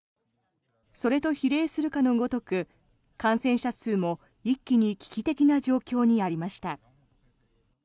それと比例するかのごとく感染者数も一気に危機的な状況にありました。